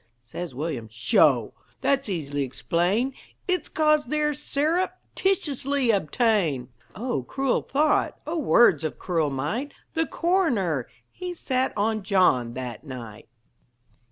Says William: "Sho! That's easily explained It's 'cause they're syrup titiously obtained." O cruel thought! O words of cruel might! The coroner He sat on John that night.